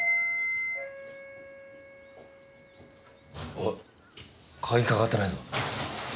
おっカギかかってないぞ。